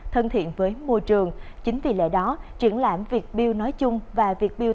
thân thiện với môi trường chính vì lẽ đó triển lãm việt build nói chung và việt build